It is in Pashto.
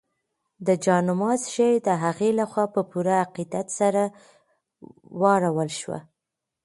د جاینماز ژۍ د هغې لخوا په پوره عقیدت سره ورواړول شوه.